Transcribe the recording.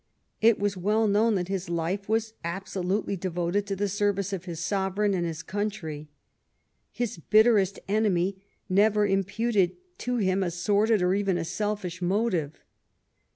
It was well known that his life was abso lutely devoted to the service of his Sovereign and of his country. His bitterest enemy never imputed to him a sordid or even a selfish motive.